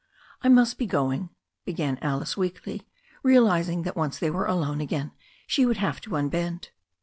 "I must be going," began Alice weakly, realizing that once they were alone again she would have to unbend.